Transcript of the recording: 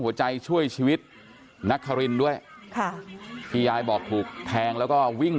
ช่วยชีวิตนักคารินด้วยค่ะที่ยายบอกถูกแทงแล้วก็วิ่ง